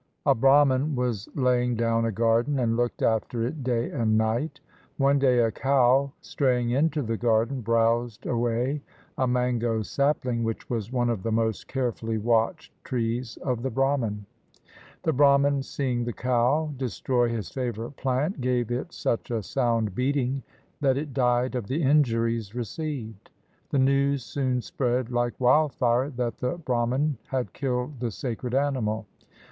A Brahman was laying down a garden and looked after it day and night. One day a cow straying into the gar den browsed away a mango sapUng which was one of the most carefully watched trees of the Brahman. The Brahman, seeing the cow destroy his favorite plant, gave it such a sound beating that it died of the injuries re ceived. The news soon spread like wildfire that the Brahman had killed the sacred animal.